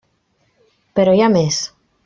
Però hi ha més.